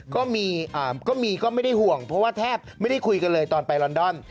ก็มีก็ไม่ได้ห่วงเพราะว่าแทบไม่ได้คุยกันเลยตอนไปลอนดอน